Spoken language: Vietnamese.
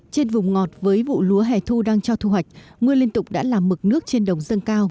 trên vùng ngọt với vụ lúa hẻ thu đang cho thu hoạch mưa liên tục đã làm mực nước trên đồng dâng cao